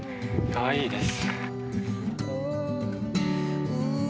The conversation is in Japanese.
かわいいです。